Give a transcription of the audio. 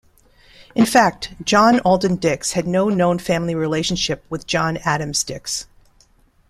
In fact, John Alden Dix had no known family relationship with John Adams Dix.